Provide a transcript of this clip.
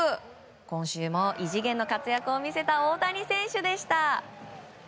今週も異次元の活躍を見せた大谷選手でした。